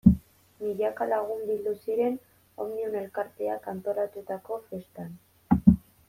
Milaka lagun bildu ziren Omnium elkarteak antolatutako festan.